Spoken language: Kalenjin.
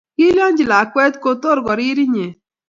kilyachi lakwet kotor koriri inye